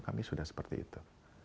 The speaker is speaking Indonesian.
kami sudah seperti itu